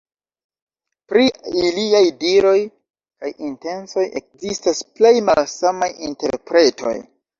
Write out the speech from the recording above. Pri iliaj diroj kaj intencoj ekzistas plej malsamaj interpretoj.